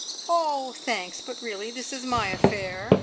"Oh, thanks, but really, this is my affair!